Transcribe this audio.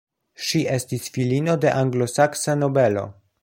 Ŝi estis filino de anglosaksa nobelo.